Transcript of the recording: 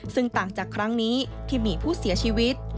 ซึ่งต่างจากครั้งนี้ที่มีผู้เสียชีวิต